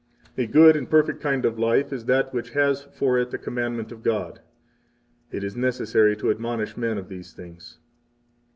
A good and perfect kind of life is that which has for it the commandment of God. 59 It is necessary to admonish men of these things.